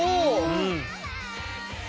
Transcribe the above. うん。